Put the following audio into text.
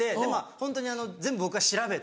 ホントに全部僕が調べて。